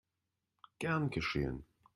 Gern geschehen!